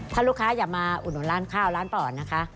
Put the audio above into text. ถ้าลูกค้าอยากมาอุดหน่อยร้านข้าวร้านป้าอ่อนนะคะ